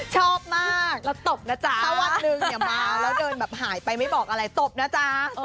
ชอบมากแล้วตบนะจ๊ะถ้าวันหนึ่งเนี่ยมาแล้วเดินแบบหายไปไม่บอกอะไรตบนะจ๊ะ